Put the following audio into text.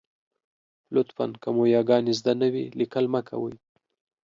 لطفاً! که مو یاګانې زده نه وي، لیکل مه کوئ.